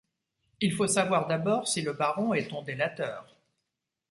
Il faut savoir d’abord si le baron est ton délateur.